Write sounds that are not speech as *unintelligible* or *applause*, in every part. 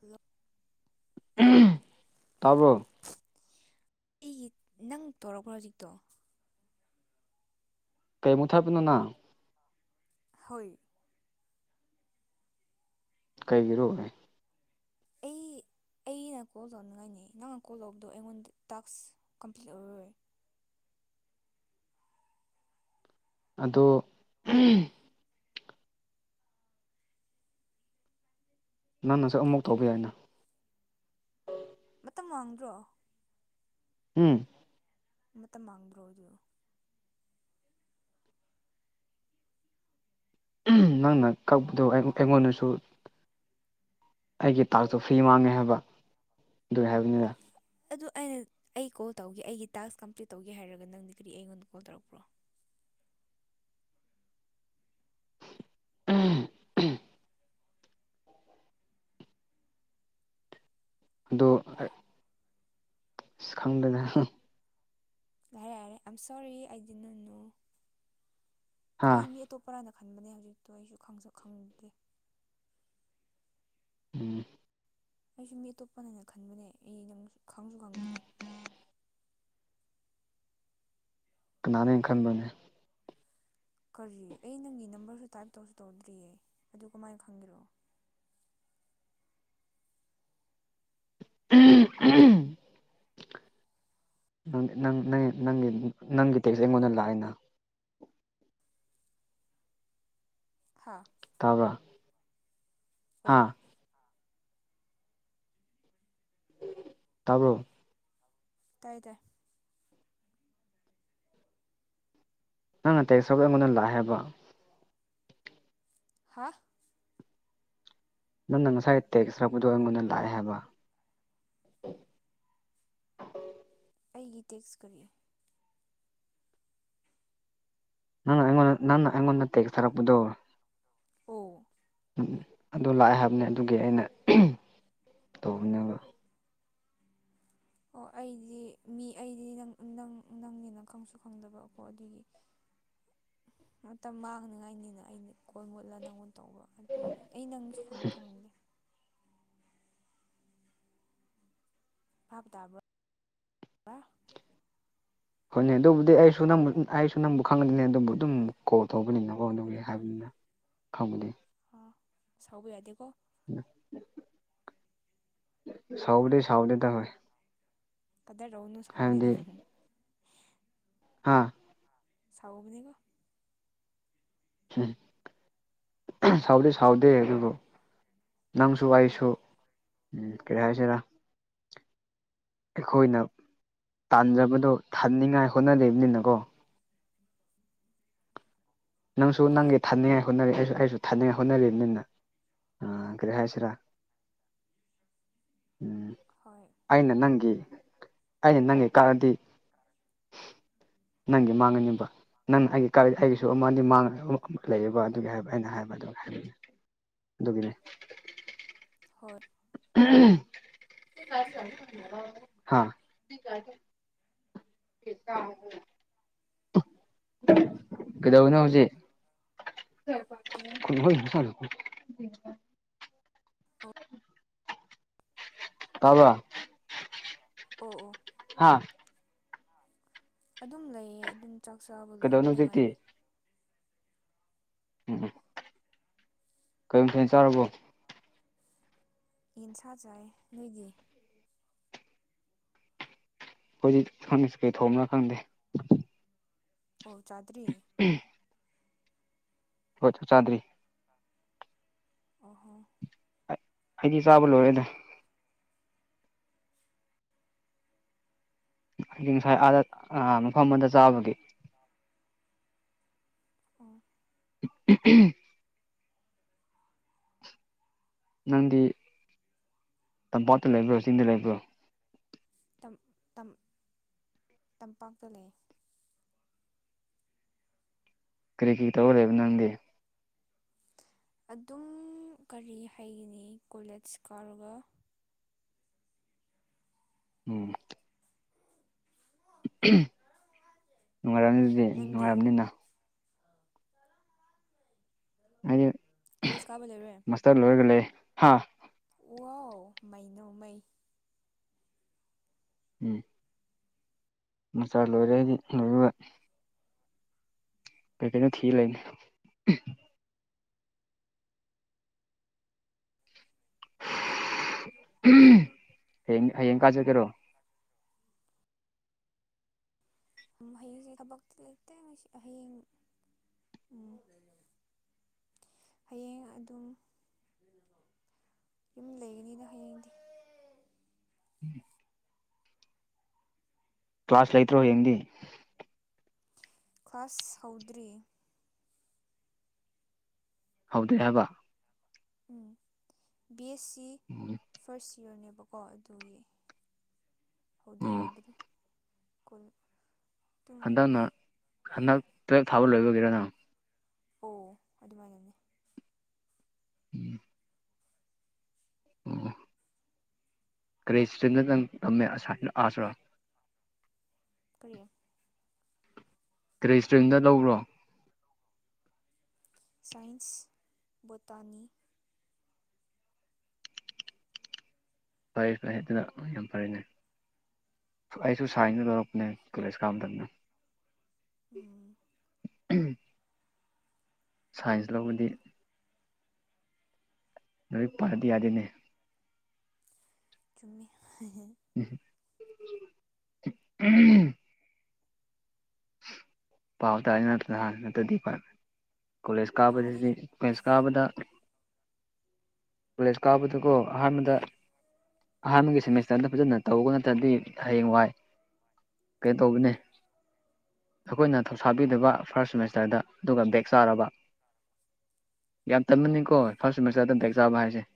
hello ꯇꯥꯕꯔꯣ ꯑꯩꯒꯤ ꯅꯪ ꯇꯧꯛꯄ꯭ꯔꯣ ꯍꯧꯖꯤꯛꯇꯣ ꯀꯩꯃꯨꯛ ꯊꯥꯕꯤꯅꯣꯅ *inaudible* ꯍꯣꯏ ꯀꯩꯒꯤꯔꯨꯅꯦ ꯑꯩ ꯑꯩꯅ ꯀꯣꯜ ꯇꯧꯅꯤꯡꯉꯥꯏꯅꯤ ꯅꯪꯅ ꯀꯣꯜ ꯇꯧꯕꯗꯣ ꯑꯩꯉꯣꯟꯗ ꯇꯥꯛꯁ ꯀꯝꯄ꯭ꯂꯤꯠ ꯑꯣꯏꯔꯔꯣꯏ ꯑꯗꯣ ꯎꯝ ꯅꯪ ꯅꯁꯨ ꯑꯗꯨ ꯑꯃꯨꯛ ꯇꯧꯕ ꯀꯔꯤ ꯌꯥꯏꯅ ꯇꯝ ꯃꯥꯡꯗ꯭ꯔꯣ ꯎꯝ ꯃꯇꯝ ꯃꯥꯡꯕ꯭ꯔꯣ ꯑꯗꯨ ꯎꯝ ꯅꯪꯅ ꯀꯛꯄꯗꯣ ꯑꯩ ꯑꯩꯉꯣꯟꯗꯁꯨ ꯑꯩꯒꯤ ꯇꯥꯛꯁꯇꯨ ꯐ꯭ꯔꯤ ꯃꯥꯡꯉꯦ ꯍꯥꯏꯕ ꯑꯗꯨꯏ ꯍꯥꯏꯕꯅꯤꯗ ꯑꯗꯨ ꯑꯩꯅ ꯑꯩ ꯀꯣꯜ ꯇꯧꯒꯦ ꯑꯩꯒꯤ ꯇꯥꯛꯁ ꯀꯝꯄ꯭ꯂꯤꯠ ꯇꯧꯒꯦ ꯍꯥꯏꯔꯒ ꯅꯪꯗꯤ ꯀꯔꯤ ꯑꯩꯉꯣꯟꯗ ꯀꯣꯜ ꯇꯧꯔꯛꯄ꯭ꯔꯣ ꯎꯝ ꯎꯝ ꯑꯗꯣ ꯑꯩ ꯁꯁ ꯈꯪꯗꯅ ꯍꯪ ꯌꯥꯔꯦ ꯌꯥꯔꯦ ꯑꯥꯏꯝ ꯁꯣꯔꯤ ꯑꯩꯗꯤ ꯅꯟꯅꯨ ꯍꯥ ꯑꯩꯗꯤ ꯃꯤ ꯑꯇꯣꯞꯄꯔꯥꯅ ꯈꯟꯕꯅꯦ ꯍꯧꯖꯤꯛꯇꯣ ꯑꯩꯁꯨ ꯈꯪꯁꯨ ꯈꯪꯗꯦ ꯎꯝ ꯑꯩꯁꯨ ꯃꯤ ꯑꯇꯣꯞꯄꯅꯦꯅ ꯈꯟꯕꯅꯦ ꯑꯩ ꯅꯪ ꯈꯪꯁꯨ ꯈꯪꯗ꯭ꯔꯤ ꯀꯅꯥꯅꯦ ꯈꯟꯕꯅꯦ ꯀꯔꯤ ꯑꯩ ꯅꯪꯒꯤ ꯅꯝꯕꯔꯁꯨ ꯇꯥꯏꯞ ꯇꯧꯁꯨ ꯇꯧꯗ꯭ꯔꯤꯌꯦ ꯑꯗꯨ ꯀꯃꯥꯏ ꯈꯪꯒꯦꯔꯣ ꯎꯝ ꯎꯝ ꯅꯪ ꯅꯪ ꯅꯪ ꯅꯪꯒꯤ ꯅꯪꯒꯤ ꯇꯦꯛꯁꯦ ꯑꯩꯉꯣꯟꯗ ꯂꯥꯛꯑꯦꯅ ꯍꯥ ꯇꯥꯕ꯭ꯔꯥ ꯑꯣ ꯍꯥꯥ ꯇꯥꯕ꯭ꯔꯣ ꯇꯥꯏꯌꯦ ꯇꯥꯏ ꯅꯪꯅ ꯇꯦꯛꯁ ꯁꯣ ꯑꯩꯉꯣꯟꯗ ꯂꯥꯛꯑꯦ ꯍꯥꯏꯕ ꯍꯥ ꯅꯪꯅ ꯉꯁꯥꯏ ꯇꯦꯛꯁ ꯊꯥꯔꯛꯄꯗꯣ ꯑꯩꯉꯣꯟꯗ ꯂꯥꯛꯑꯦ ꯍꯥꯏꯕ ꯑꯩꯒꯤ ꯇꯦꯛꯁ ꯀꯔꯤ ꯅꯪ ꯑꯩꯉꯣꯟꯗ ꯅꯪ ꯑꯩꯉꯣꯟ ꯅꯠꯇꯦ ꯁꯥꯔꯛꯄꯗꯣ ꯑꯣ ꯎꯝ ꯑꯗꯨ ꯂꯥꯛꯑꯦ ꯍꯥꯏꯕꯅꯦ ꯑꯗꯨꯒꯤ ꯑꯩꯅ ꯇꯧꯕꯅꯦꯕ ꯑꯣ ꯑꯩꯗꯤ ꯃꯤ ꯑꯩꯗꯤ ꯅꯪ ꯅ ꯅꯪꯒꯤ ꯅꯪ ꯈꯪꯁꯨ ꯈꯪꯗꯕꯀꯣ ꯑꯗꯨꯒꯤ ꯃꯇꯝ ꯃꯥꯡꯅꯤꯉꯥꯏꯅꯤꯅ ꯑꯩꯗꯤ ꯀꯣꯜ ꯃꯨꯠꯂ ꯅꯪꯉꯣꯟ ꯇꯧꯕ ꯑꯗꯨꯏꯅꯤ ꯑꯩ ꯅꯪꯁꯨ ꯈꯪ ꯈꯪꯗꯦ ꯍꯥꯥꯞ ꯇꯕ ꯍꯣꯏꯅꯦ ꯑꯗꯨꯕꯨꯗꯤ ꯑꯩꯁꯨ ꯑꯩꯁꯨ ꯅꯪꯕꯨ ꯈꯪꯒꯗꯅꯦ ꯑꯗꯨꯕꯨ ꯑꯗꯨꯝ ꯀꯣꯜ ꯇꯧꯕꯅꯤꯅꯀꯣ ꯑꯗꯨꯒꯤ ꯍꯥꯏꯕꯅꯤꯅ ꯈꯪꯗꯦ ꯑ ꯁꯥꯎꯕ ꯌꯥꯗꯦꯀꯣ ꯁꯥꯎꯕꯗꯤ ꯁꯥꯎꯗꯦꯗ ꯍꯣꯏ ꯀꯗꯔ ꯔꯧꯅꯨ ꯁꯥꯎꯕꯅꯤ ꯅꯪ ꯍꯨꯝ ꯍꯨꯝ ꯍꯥꯥ ꯁꯥꯥꯎꯒꯅꯤꯉꯣ ꯎꯝ ꯁꯥꯎꯗꯤ ꯁꯥꯎꯗꯦ ꯑꯗꯨꯕꯨ ꯅꯪꯁꯨ ꯑꯩꯁꯨ ꯎꯝ ꯀꯔꯤ ꯍꯥꯏꯁꯤꯔꯥ ꯑꯩꯈꯣꯏꯅ ꯇꯥꯟꯖꯕꯗꯣ ꯊꯟꯅꯤꯡꯉꯥꯏ ꯍꯣꯠꯅꯔꯤꯕꯅꯤꯅꯀꯣ ꯅꯪꯁꯨ ꯍꯣꯏ ꯅꯪꯒꯤ ꯊꯟꯅꯤꯉꯥꯏ ꯍꯣꯠꯅꯔꯤ ꯑꯩꯁꯨ ꯑꯩꯁꯨ ꯊꯟꯉꯥꯏ ꯍꯣꯠꯅꯔꯤꯅꯤꯅ ꯑꯥ ꯀꯔꯤ ꯍꯥꯏꯁꯤꯔꯥ ꯇꯥꯕ ꯉꯝꯗꯕ ꯎꯝ ꯑꯩꯅ ꯅꯪꯒꯤ ꯑꯩꯅ ꯅꯪꯒꯤ ꯀꯛꯑꯗꯤ ꯅꯪꯒꯤ ꯃꯥꯡꯉꯅꯤꯡꯕ ꯅꯪꯅ ꯑꯩꯒꯤ ꯀ ꯑꯩꯒꯤ ꯑꯗꯨ ꯑꯃꯗꯤ ꯃꯥꯡꯉ ꯂꯩꯌꯦꯕ ꯑꯗꯨꯒꯤ ꯍꯥꯏꯕ ꯑꯩꯅ ꯍꯥꯏꯕ ꯑꯗꯨꯝ ꯍꯥꯏꯕꯤꯦ ꯑꯗꯨꯗꯒꯤꯅꯦ ꯍꯣꯏ ꯑꯣꯀꯦ ꯍꯥꯥ ꯍꯇ *unintelligible* ꯀꯩꯗꯧꯅꯣ ꯍꯧꯖꯤꯛ ꯍꯅ ꯁꯥꯔ ꯑꯣ ꯇꯥꯕ ꯑꯣ ꯑꯣ ꯍꯥꯥ ꯑꯗꯨꯝ ꯂꯩꯌꯦ ꯑꯗꯨꯝ ꯆꯥꯛ ꯆꯥꯕ ꯀꯩꯗꯧꯅꯣ ꯂꯣꯏꯕꯗ ꯍꯧꯖꯤꯛꯇꯤ ꯉꯥꯏꯔꯤ ꯎꯝ ꯀꯩ ꯃꯊꯦꯜ ꯆꯥꯔꯕꯣ ꯌꯦꯟꯁꯥ ꯆꯥꯏ ꯅꯣꯏꯗꯤ ꯍꯧꯏꯖꯤ ꯀꯩ ꯊꯣꯡꯝ꯭ꯔ ꯈꯪꯗꯦ ꯑꯣ ꯆꯥꯗ꯭ꯔꯤ ꯍꯣꯏ ꯆꯥꯟꯗꯔꯤ ꯑꯣꯍꯣꯡ ꯑꯩꯗꯤ ꯆꯥꯕ ꯂꯣꯏꯔꯦꯗ ꯍꯥꯏꯗꯤ ꯉꯁꯥꯏ ꯑꯥꯗ ꯃꯐꯝ ꯑꯃꯗ ꯆꯥꯕꯒꯤ ꯑꯣ ꯎꯝ ꯅꯪꯗꯤ ꯇꯝꯄꯥꯛꯇ ꯂꯩꯕ꯭ꯔꯣ ꯆꯤꯡꯗ ꯂꯩꯕ꯭ꯔꯣ ꯇꯝꯄꯥꯛꯇ ꯂꯩ ꯀ꯭ꯔꯤꯀꯤ ꯇꯧꯔꯦꯕ ꯅꯪꯗꯤ ꯑꯗꯨꯝ ꯀꯔꯤ ꯍꯥꯏꯒꯅꯤ ꯀꯣꯂꯦꯖ ꯀꯥꯔꯒ ꯎꯝ ꯅꯨꯡꯉꯥꯏꯔꯝꯅꯤ ꯑꯗꯨꯗꯤ ꯅꯪꯗꯤ ꯅꯨꯡꯉꯥꯏꯔꯝꯅꯤꯅ ꯍꯥꯏꯗꯤ ꯀꯣꯂꯦꯖ ꯀꯥꯕ ꯂꯣꯏꯔꯦ ꯃꯁꯇꯔ ꯂꯣꯏꯔꯒꯦ ꯂꯩ ꯋꯥ ꯃꯩꯅꯣ ꯃꯩ ꯎꯝ ꯃꯆꯥ ꯂꯣꯏꯔꯦꯗꯤ ꯂꯣꯏꯕ ꯀꯩ ꯀꯩꯅꯩꯅ ꯊꯤ ꯂꯩꯅꯦ ꯎꯝ ꯍ ꯍꯡ ꯀꯥꯖ ꯀꯦꯔꯣ ꯍꯌꯦꯡꯁꯤ ꯈꯕꯛ ꯂꯩꯇ ꯍꯌꯦꯡ ꯎꯝ ꯍꯌꯦꯡ ꯑꯗꯨꯝ ꯌꯨꯝ ꯂꯩꯒꯅꯤꯅ ꯍꯌꯦꯡꯗꯤ ꯀ꯭ꯂꯥꯁ ꯂꯩꯇ꯭ꯔꯣ ꯍꯌꯦꯡꯗꯤ ꯀ꯭ꯂꯥꯁ ꯍꯧꯗ꯭ꯔꯤ ꯍꯧꯗ ꯍꯥꯏꯕ ꯎꯝ ꯕꯤ ꯑꯦꯁ ꯁꯤ ꯐꯔꯁ ꯏꯌꯔꯅꯦꯕ ꯑꯗꯨꯒꯤ ꯍꯧꯗꯤ ꯑꯣ ꯍꯧꯗ꯭ꯔꯤ ꯀꫭ ꯍꯟꯗꯛꯅ ꯍꯟꯗꯛ ꯇꯨꯌꯦꯜꯞ ꯐꯥꯕ ꯂꯣꯏꯕꯒꯤꯔꯅ ꯑꯣ ꯑꯗꯨꯃꯥꯏꯅꯅꯤ ꯎꯝ ꯎꯝ ꯀ꯭ꯔꯔꯤꯁ ꯆꯤꯟꯅꯗꯪ ꯉꯝꯃꯦꯁ ꯑꯁꯔ ꯀꯔꯤ ꯀꯔꯤ ꯁꯇꯔꯤꯝꯗ ꯂꯧꯕ꯭ꯔꯣ ꯁꯥꯏꯟꯁ ꯚꫭꯇꯅꯤ ꯐꯔꯦ ꯐꯩ ꯑꯗꯨꯅ ꯌꯥꯝ ꯐꯔꯦꯅꯦ ꯑꯩꯁꯨ ꯁꯥꯏꯅ ꯇꯧꯔꯛꯄꯅꯦ ꯀꯣꯂꯦꯖ ꯀꯥꯝꯇꯅꯦ ꯎꯝ ꯁꯥꯏꯟꯁ ꯂꯧꯕꯗꯤ ꯅꯣꯏ ꯄꯥꯔꯗꯤ ꯌꯥꯗꯦꯅꯦ ꯆꯨꯝꯃꯤ ꯎꯝ ꯄꯥꯎ ꯇꯥꯟ ꯅꯠꯇꯗꯤ ꯀꯣꯂꯦꯖ ꯄꯥꯗꯦꯗ ꯀꯥꯕꯗ ꯀꯥꯕꯗ ꯀꯣꯂꯦꯖ ꯀꯥꯎꯕꯗꯨꯀꯣ ꯑꯍꯥꯟꯕꯗ ꯑꯍꯥꯟꯕꯒꯤ ꯁꯦꯃꯦꯁꯇꯔꯗ ꯐꯖꯅ ꯇꯧꯕ ꯅꯠꯇ꯭ꯔꯗꯤ ꯍꯌꯦꯡ ꯋꯥꯏ ꯀꯩ ꯇꯒꯅꯦ ꯑꯩꯈꯣꯏꯅ ꯊꯧꯁꯥꯕꯤꯗꯕ ꯐꯥꯔꯁ ꯁꯦꯃꯤꯁꯇꯔꯗ ꯑꯗꯨꯒ ꯕꯦꯛ ꯆꯥꯔꯕ ꯌꯥꯝ ꯇꯅꯅꯤꯀꯣ ꯐꯥꯔꯁ ꯁꯦꯃꯦꯁꯇꯔꯗꯇꯦꯛ ꯆꯥꯕ ꯍꯥꯏꯁꯦ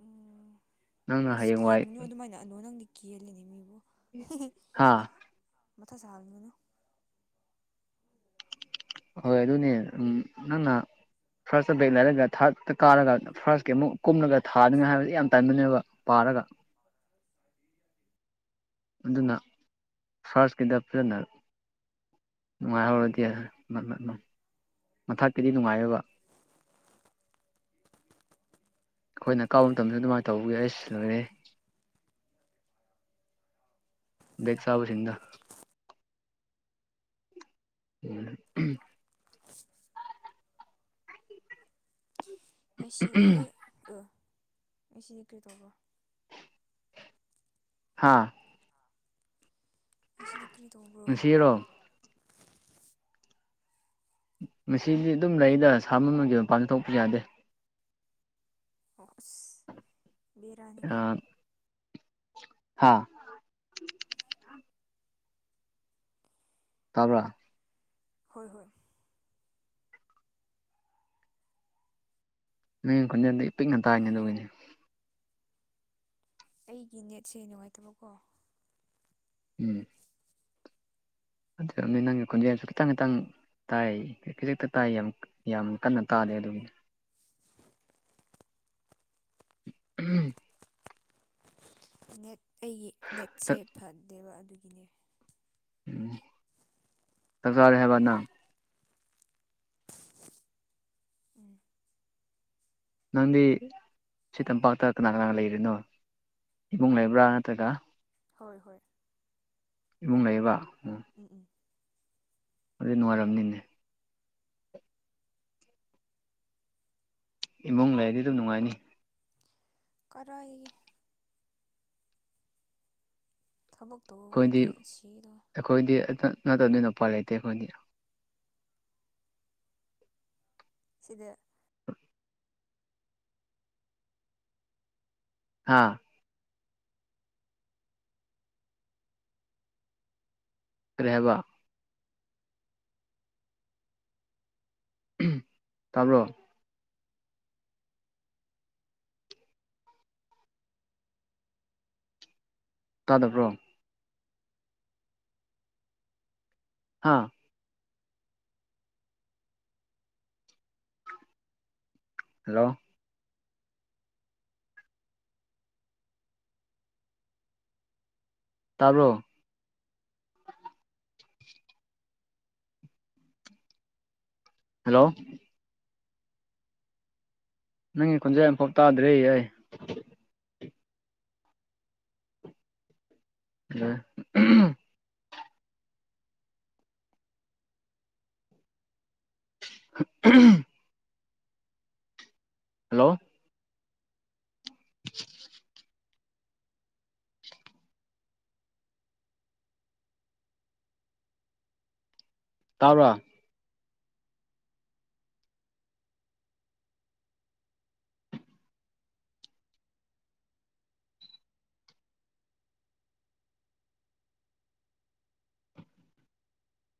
ꯎꯝ ꯅꯪꯅ ꯑꯁ ꯍꯌꯦꯡꯋꯥꯏ ꯀꯤꯍꯜꯂꯨꯅꯨ ꯑꯗꯨꯃꯥꯏꯅ ꯑꯅꯨ ꯅꯪꯗꯤ ꯀꯦꯍꯜꯂꯤꯅꯦ ꯃꯤꯕꯨꯣ ꯍꯥꯥ ꯃꯊꯁꯍ ꯍꯥꯜꯅꯅ ꯍꯣꯏ ꯑꯗꯨꯅꯦ ꯎꯝ ꯅꯪꯅ ꯐꯥꯔꯁꯇ ꯕꯦꯛ ꯂꯩꯔꯒ ꯊꯥꯔꯗꯠꯇ ꯀꯥꯔꯒ ꯐꯥꯔꯁꯀꯤ ꯑꯃꯨꯛ ꯀꯨꯝꯂꯒ ꯊꯥꯅꯤꯉꯥꯏ ꯍꯥꯏꯕꯁꯤ ꯌꯥꯝ ꯇꯥꯏꯅꯅꯦꯕ ꯄꯥꯔꯒ *unintelligible* ꯑꯗꯨꯅ ꯐꯔꯁꯀꯤꯗ ꯐꯖꯅ ꯎꯝ ꯅꯨꯡꯉꯥꯏꯍꯧꯔꯗꯤ ꯃꯊꯀꯤꯗꯤ ꯅꯨꯡꯉꯥꯏꯕ ꯑꯩꯈꯣꯏꯅ ꯀꯥꯎꯕ ꯃꯇꯝꯗ ꯑꯗꯨꯃꯥꯏꯅ ꯇꯧꯕꯒꯤ ꯑꯩꯁ ꯂꯣꯏꯔꯦ ꯗꯠꯁꯕꯕꯁꯤꯗ ꯎꯝ ꯉꯁꯤꯗꯤ ꯑ ꯉꯁꯤꯗꯤ ꯀꯔꯤꯇꯧꯕꯣ ꯍꯥꯥ ꯉꯁꯤꯗꯤ ꯀꯔꯤ ꯇꯧꯕ꯭ꯔꯣ ꯉꯁꯤꯔꯣ ꯍꯨꯝ ꯃꯁꯤꯗꯤ ꯑꯗꯨꯝ ꯂꯩꯗ ꯁꯥꯃꯝꯃꯒꯤ ꯃꯄꯥꯟ ꯊꯣꯛꯄꯁꯨ ꯌꯥꯗꯦ ꯑꯁ ꯕꯤꯔꯅꯤꯀꯣ ꯍꯥꯥ ꯇꯥꯕꯔ ꯍꯣꯏ ꯍꯣꯏ ꯅꯪꯒꯤ ꯈꯣꯟꯖꯦꯜꯗ ꯄꯤꯛꯅ ꯇꯥꯏꯅꯦ ꯑꯗꯨꯒꯤꯅꯤ ꯑꯩꯒꯤ ꯅꯦꯠꯁꯦ ꯅꯨꯡꯉꯥꯏꯇꯕꯀꯣ ꯎꯝ ꯑꯗꯨꯅꯤ ꯅꯪꯒꯤ ꯈꯣꯟꯖꯦꯜꯁꯨ ꯈꯤꯇꯪ ꯈꯤꯇꯪ ꯇꯥꯏ ꯈꯖꯤꯛꯇ ꯇꯥꯏ ꯌꯥꯝ ꯌꯥꯝ ꯀꯟꯅ ꯇꯥꯜꯂꯤꯦ ꯑꯗꯨꯒꯤꯅ ꯎꯝ ꯅꯦꯠ ꯑꯩꯒꯤ ꯅꯦꯠꯁꯦ ꯆꯥꯛ ꯐꯗꯦꯕ ꯑꯗꯨꯒꯤꯅꯦ ꯎꯝ ꯇꯀꯔ ꯍꯕ ꯅ ꯎꯝ ꯅꯪꯗꯤ ꯁꯤꯇꯝꯄꯥꯛꯇ ꯀꯅꯥ ꯀꯅꯥ ꯂꯩꯔꯤꯅꯣ ꯏꯃꯨꯡ ꯂꯩꯕ꯭ꯔꯥ ꯅꯠꯇ꯭ꯔꯒ ꯍꯣꯏ ꯍꯣꯏ ꯕꯨꯡ ꯂꯩꯕ ꯎꯝ ꯎꯝ ꯑꯗꯨ ꯅꯨꯡꯉꯥꯏꯔꯝꯅꯤꯅꯦ ꯏꯃꯨꯡ ꯂꯩꯔꯗꯤ ꯑꯗꯨꯝ ꯅꯨꯡꯉꯥꯏꯅꯤ ꯀꯔꯥꯏ ꯊꯕꯛ ꯑꯩꯈꯣꯏꯗꯤ ꯇꯧꯗꯗ ꯁꯤꯗꯣ ꯑꯩꯈꯣꯏꯗꯤ ꯅꯠꯇꯕꯅꯤꯅ ꯎꯄꯥꯏ ꯂꯩꯇꯦ ꯑꯩꯈꯣꯏꯗꯤ ꯁꯤꯗ ꯍꯥꯥ ꯔꯕꯥ ꯇꯕꯣ ꯇꯥꯗꯕ꯭ꯔꯣ ꯍꯥꯥ ꯍꯜꯂꯣ ꯇꯔꯣ ꯍꯜꯂꯣ ꯅꯪ ꯈꯨꯣꯟꯖꯩ ꯑꯃꯝꯐꯥꯎ ꯇꯥꯗ꯭ꯔꯦ ꯑꯩ *unintelligible* *unintelligible* ꯍꯜꯂꯣ *unintelligible* ꯇꯥꯕꯔꯥ